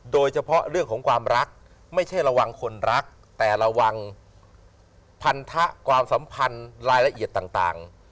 โดยเฉพาะเรื่องของความรักไม่ใช่ระวังคนรักแต่ระวังพันธะความสัมพันธ์รายละเอียดต่าง